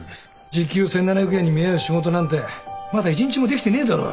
時給１，７００円に見合う仕事なんてまだ１日もできてねえだろ。